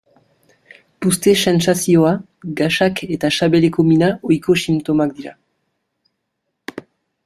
Puzte-sentsazioa, gasak eta sabeleko mina ohiko sintomak dira.